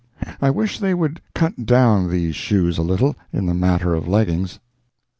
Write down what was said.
I wish they would cut down these shoes a little in the matter of leggings.